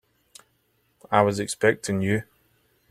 I was expecting you.